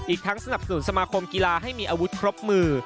อีกทั้งสนับสนุนสมาคมกีฬาให้มีอาวุธครบมือ